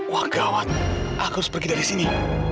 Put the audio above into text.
wah gawat aku harus pergi dari sini